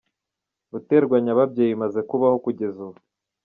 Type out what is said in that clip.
Guterwa nyababyeyi bimaze kubaho kugeza ubu: .